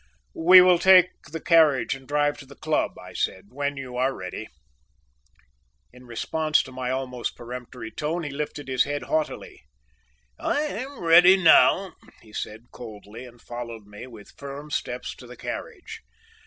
"We will take the carriage and drive to the club," I said, "when you are ready." In response to my almost peremptory tone he lifted his head haughtily: "I am ready now," he said, coldly, and followed me with firm steps to the carriage.